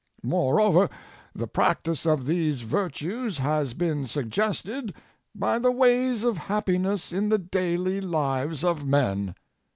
Moreover, the practice of these virtues has been suggested by the ways of happiness in the daily lives of men.